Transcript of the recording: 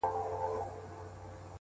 ه ژوند نه و، را تېر سومه له هر خواهیسه ،